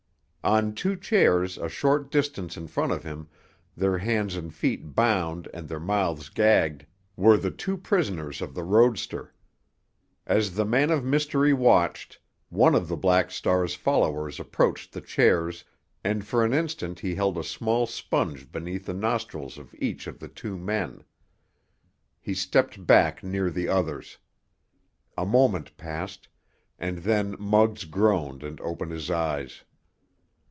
On two chairs a short distance in front of him, their hands and feet bound and their mouths gagged, were the two prisoners of the roadster. As the man of mystery watched, one of the Black Star's followers approached the chairs, and for an instant he held a small sponge beneath the nostrils of each of the two men. He stepped back near the others. A moment passed, and then Muggs groaned and opened his eyes.